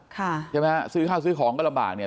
ใช่ไหมฮะซื้อข้าวซื้อของก็ลำบากเนี่ย